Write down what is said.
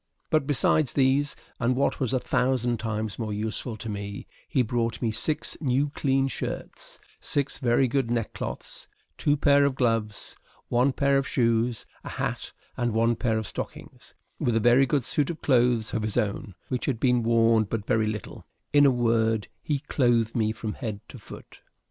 But besides these, and what was a thousand times more useful to me, he brought me six new clean shirts, six very good neckcloths, two pair of gloves, one pair of shoes, a hat, and one pair of stockings, with a very good suit of clothes of his own, which had been worn but very little: in a word, he clothed me from head to foot.